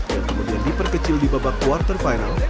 dan kemudian diperkecil di babak quarterfinal